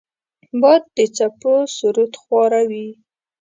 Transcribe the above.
باد د څپو سرود خواره وي